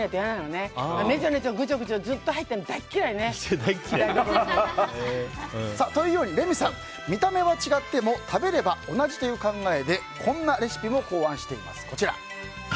ねちょねちょ、ぐちょぐちょずっと入ってるの大嫌いね。というよりレミさん見た目は違っても食べれば同じという考えでこんなレシピも考案しています。